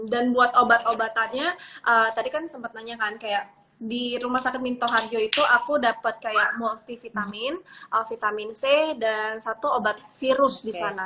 dan buat obat obatannya tadi kan sempat nanya kan kayak di rumah sakit minto harjo itu aku dapat kayak multivitamin vitamin c dan satu obat virus di sana